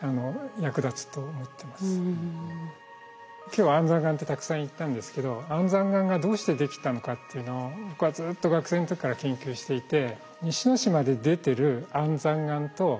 今日は安山岩ってたくさん言ったんですけど安山岩がどうしてできたのかっていうのを僕はずっと学生の時から研究していて。